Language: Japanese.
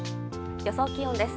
予想気温です。